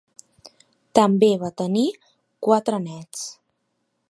També va tenir quatre nets.